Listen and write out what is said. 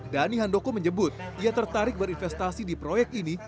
dhani handoko menyebut ia tertarik berinvestasi di proyek ini